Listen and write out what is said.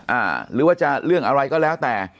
หรือว่าจะเรื่องอะไรก็แล้วแต่